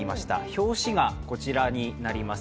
表紙がこちらになります。